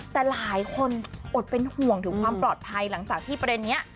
แต่หลายคนอดเป็นห่วงถึงความปลอดภัยหลังจากที่ประเด็นนี้